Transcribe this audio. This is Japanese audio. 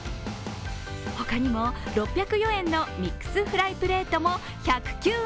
ほかにも６０４円のミックスフライプレートも１０９円。